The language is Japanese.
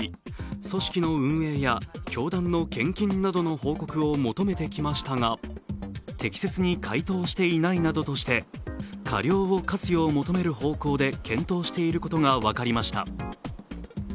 組織の運営や教団の献金などの報告を求めてきましたが適切に回答していないなどとして、過料を科すように求める方向で検討していることが分かりました。